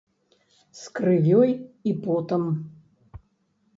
З крывёй і потам.